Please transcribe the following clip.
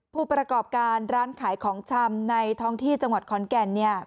ผู้ประกอบการร้านขายของชำในท้องที่จังหวัดขอนแก่น